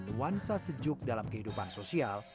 nuansa sejuk dalam kehidupan sosial